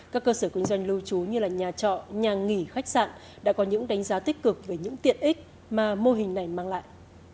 các cơ sở kinh doanh lưu trú như nhà trọ nhà nghỉ khách sạn đã có những đánh giá tích cực về những tiện ích mà mô hình này mang lại